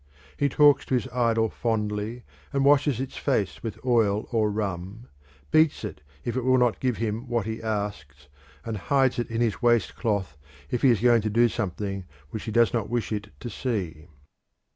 He talks to his idol fondly and washes its face with oil or rum, beats it if it will not give him what he asks, and hides it in his waistcloth if he is going to do something which he does not wish it to see.